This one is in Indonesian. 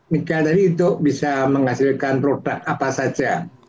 nikel tadi itu bisa menghasilkan produk apa saja